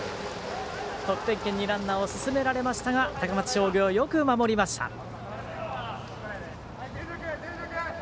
得点圏にランナーを進められましたが高松商業、点を取れませんでした。